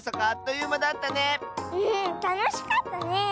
うんたのしかったね！